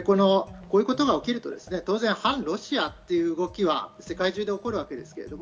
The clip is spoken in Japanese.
こういうことが起きると、当然、反ロシアという動きは世界中で起こるわけです。